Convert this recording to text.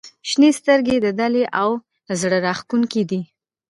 • شنې سترګې د دلې او زړه راښکونکې دي.